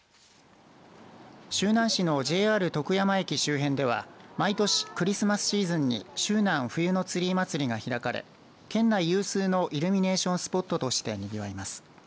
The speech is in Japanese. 周南市のＪＲ徳山駅周辺では毎年クリスマスシーズンに周南冬のツリーまつりが開かれ県内有数のイルミネーションスポットとしてにぎわいます。